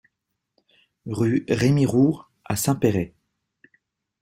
Rue Rémy Roure à Saint-Péray